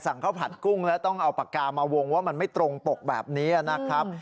ข้าวผัดกุ้งแล้วต้องเอาปากกามาวงว่ามันไม่ตรงปกแบบนี้นะครับ